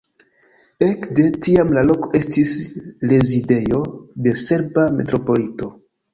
Ekde tiam la loko estis rezidejo de serba metropolito.